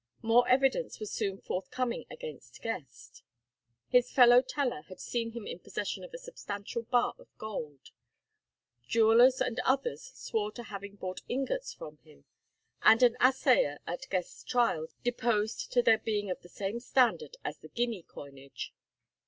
More evidence was soon forthcoming against Guest. His fellow teller had seen him in possession of a substantial bar of gold; jewellers and others swore to having bought ingots from him, and an assayer at Guest's trial deposed to their being of the same standard as the guinea coinage.